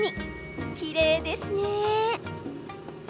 きれいですね。